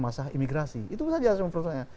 masalah imigrasi itu saja persoalannya